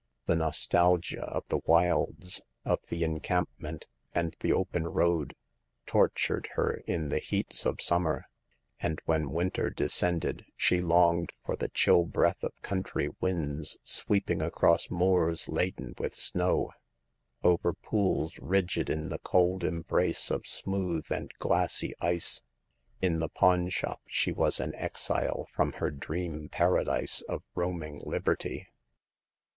The nostalgia of the wilds, of the encampment and the open road, tortured her in the heats of summer ; and when winter descended she longed for the chill breath of country winds sweeping across moors laden with snow, over pools rigid in / 22 Hagar of the Pawn Shop. the cold embrace of smooth and glassy ice. In the pawn shop she was an exile from her dream paradise of roaming liberty.